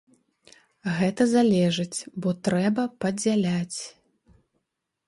Гэта залежыць, бо трэба падзяляць.